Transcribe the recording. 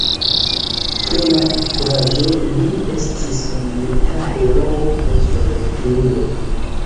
Pro la kuraĝo li estis nomumita Heroo de Sovetunio.